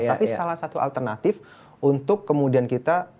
tapi salah satu alternatif untuk kemudian kita